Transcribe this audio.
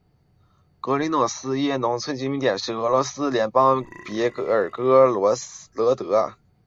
格林诺耶农村居民点是俄罗斯联邦别尔哥罗德州新奥斯科尔区所属的一个农村居民点。